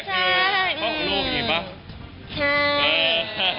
โทษหลุมอยู่ป่ะ